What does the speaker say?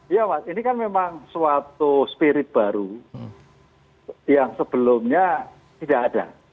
iya mas ini kan memang suatu spirit baru yang sebelumnya tidak ada